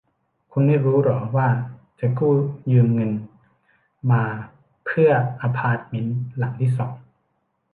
คุณไม่รู้หรอว่าเธอกู้ยืมเงินมาเพื่ออพาร์ตเม้นหลังที่สอง